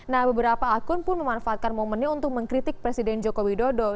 nah beberapa akun pun memanfaatkan momennya untuk mengkritik presiden joko widodo